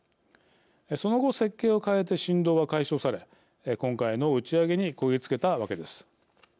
その後、設計を変えて振動は解消され今回の打ち上げにこぎ付けたわけです。